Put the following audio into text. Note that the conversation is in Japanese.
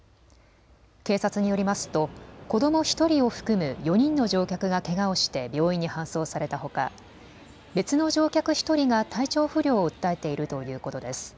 警察によりますと子ども１人を含む４人の乗客がけがをして病院に搬送されたほか、別の乗客１人が体調不良を訴えているということです。